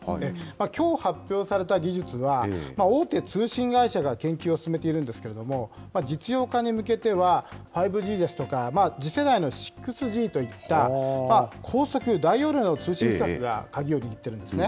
きょう発表された技術は、大手通信会社が研究を進めているんですけれども、実用化に向けては、５Ｇですとか、次世代の６Ｇといった、高速・大容量の通信規格が鍵を握ってるんですね。